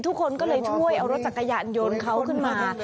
ทุกคนก็เลยช่วยเอารถจักรยานยนต์เขาขึ้นมา